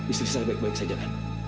istri saya baik baik saja kan